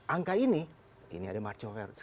angka ini ini ada margin of error